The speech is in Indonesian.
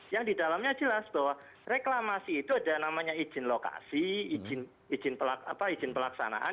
yang di dalamnya jelas bahwa reklamasi itu ada namanya izin lokasi izin pelaksanaan